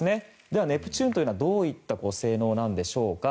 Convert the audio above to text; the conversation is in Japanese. では、ネプチューンとはどういった性能なんでしょうか。